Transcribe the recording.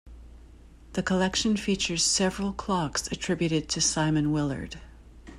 The collection features several clocks attributed to Simon Willard.